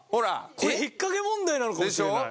これ引っかけ問題なのかもしれない。